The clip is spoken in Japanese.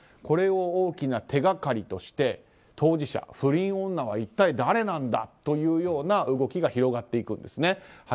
これを大きな手がかりとして当事者、不倫女は一体誰なんだという動きが広がっていくんですね。